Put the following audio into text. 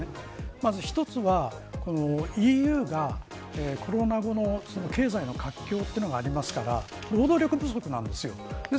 まず一つは、ＥＵがコロナ後の経済の活況というのもありますから労働力不足なんです。